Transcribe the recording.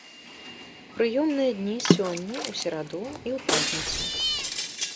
Прыёмныя дні сёння, у сераду і ў пятніцу.